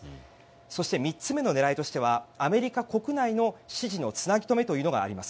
そして、３つ目の狙いとしてはアメリカ国内の支持のつなぎ止めというのがあります。